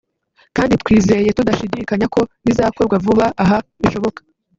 kandi twizeye tudashidikanya ko bizakorwa vuba aha bishoboka